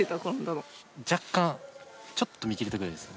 ちょっと見切れたぐらいですね。